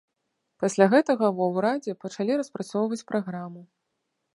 Пасля гэтага ва ўрадзе пачалі распрацоўваць праграму.